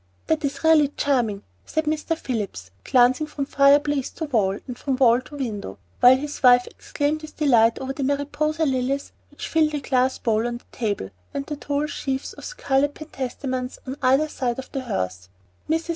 "This is really charming!" said Mr. Phillips, glancing from fireplace to wall, and from wall to window; while his wife exclaimed with delight over the Mariposa lilies which filled a glass bowl on the table, and the tall sheaves of scarlet penstamens on either side the hearth. Mrs.